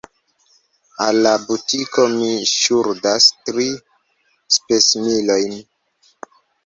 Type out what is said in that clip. Al la butiko mi ŝuldas tri spesmilojn.